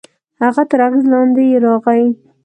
هغه تر اغېز لاندې يې راغی.